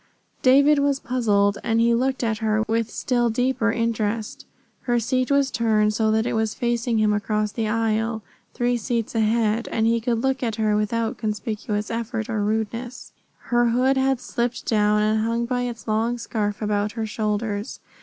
David was puzzled, and he looked at her with still deeper interest. Her seat was turned so that it was facing him across the aisle, three seats ahead, and he could look at her without conspicuous effort or rudeness. Her hood had slipped down and hung by its long scarf about her shoulders.